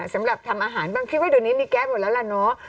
สำหรับทำอาหารบ้างคิดว่าเดี๋ยวนี้มีแก๊สหมดแล้วล่ะเนาะ